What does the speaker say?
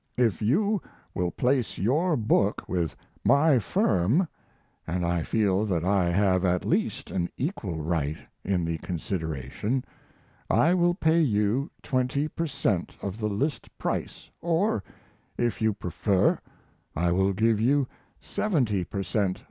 If you will place your book with my firm and I feel that I have at least an equal right in the consideration I will pay you twenty per cent. of the list price, or, if you prefer, I will give you seventy per cent.